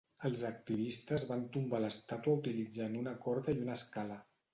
Els activistes van tombar l’estàtua utilitzant una corda i una escala.